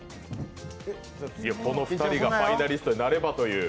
この２人がファイナリストになればという。